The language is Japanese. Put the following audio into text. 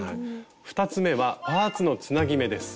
２つ目はパーツのつなぎ目です。